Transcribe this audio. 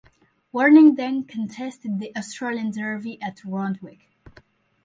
Warning then contested the Australian Derby at Randwick.